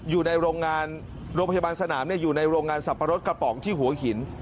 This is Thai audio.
อยู่ในโรงงานโรงพยาบาลสนามอยู่ในโรงงานสับปะรดกระป๋องที่หัวหิน